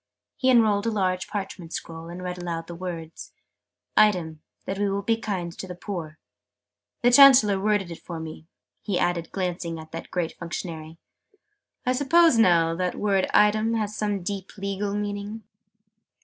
He unrolled a large parchment scroll, and read aloud the words "'item, that we will be kind to the poor.' The Chancellor worded it for me," he added, glancing at that great Functionary. "I suppose, now, that word 'item' has some deep legal meaning?"